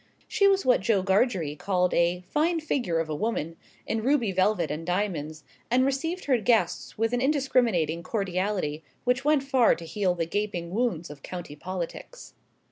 She was what Joe Gargery called a "fine figure of a woman," in ruby velvet and diamonds, and received her guests with an indiscriminating cordiality which went far to heal the gaping wounds of county politics.